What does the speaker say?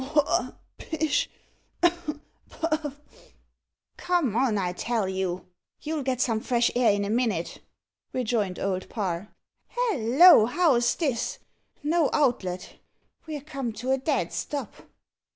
poah pish puff!" "Come on, I tell you you'll get some fresh air in a minute," rejoined Old Parr. "Halloa! how's this? No outlet. We're come to a dead stop."